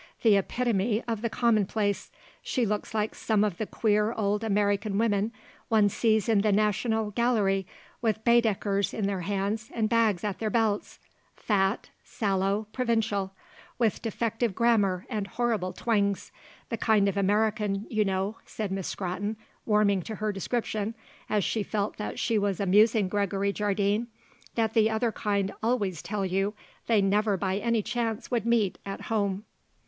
"The epitome of the commonplace. She looks like some of the queer old American women one sees in the National Gallery with Baedekers in their hands and bags at their belts; fat, sallow, provincial, with defective grammar and horrible twangs; the kind of American, you know," said Miss Scrotton, warming to her description as she felt that she was amusing Gregory Jardine, "that the other kind always tell you they never by any chance would meet at home."